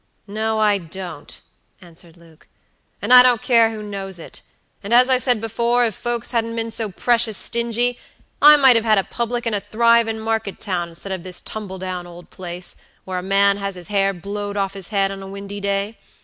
"No, I don't," answered Luke; "and I don't care who knows it; and, as I said before, if folks hadn't been so precious stingy, I might have had a public in a thrivin' market town, instead of this tumble down old place, where a man has his hair blowed off his head on a windy day.